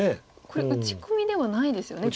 これ打ち込みではないですよね。